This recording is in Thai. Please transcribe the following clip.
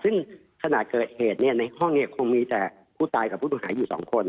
ซึ่งขณะเกิดเหตุเนี่ยในห้องเนี้ยคงมีแต่ผู้ตายกับผู้ต่างหาอยู่สองคน